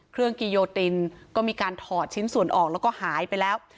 กิโยตินก็มีการถอดชิ้นส่วนออกแล้วก็หายไปแล้ว